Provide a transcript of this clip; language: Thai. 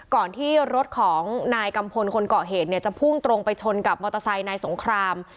ก่อนที่รถของนายกัมพลคนเกาะเหตุเนี่ยจะพุ่งตรงไปชนกับมอเตอร์ไซค์นายสงคราม